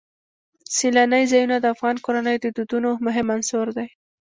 سیلانی ځایونه د افغان کورنیو د دودونو مهم عنصر دی.